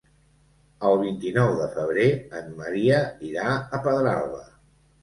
El vint-i-nou de febrer en Maria irà a Pedralba.